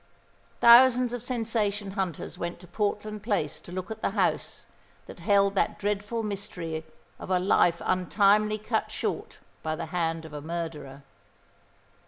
Thousands of sensation hunters went to Portland Place to look at the house that held that dreadful mystery of a life untimely cut short by the hand of a murderer.